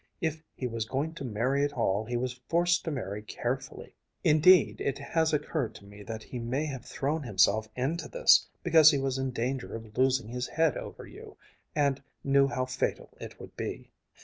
If he was going to marry at all, he was forced to marry carefully. Indeed, it has occurred to me that he may have thrown himself into this, because he was in danger of losing his head over you, and knew how fatal it would be.